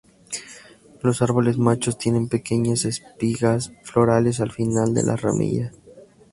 Los árboles machos tienen pequeñas espigas florales al final de las ramillas.